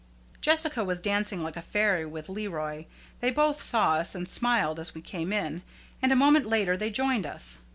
Jessica was dancing like a fairy with Leroy. They both saw us and smiled as we came in, and a moment later they joined us.